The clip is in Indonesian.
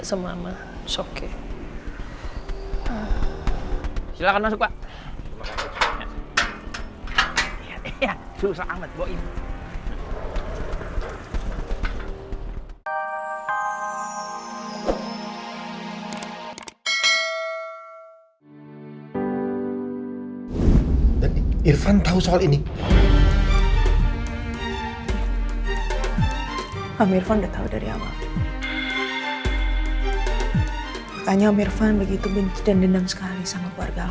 sampai jumpa di video selanjutnya